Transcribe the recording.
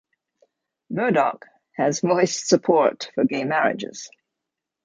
Murdoch has voiced support for gay marriages.